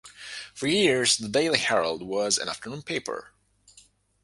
For years, "The Daily Herald" was an afternoon paper.